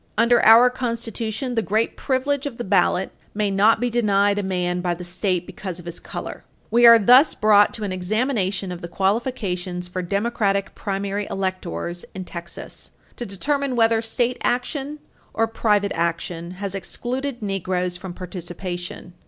Under our Constitution, the great privilege of the ballot may not be denied a man by the State because of his color. We are thus brought to an examination of the qualifications for Democratic primary electors in Texas, to determine whether state action or private action has excluded Negroes from participation.